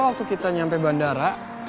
waktu kita nyampe bandara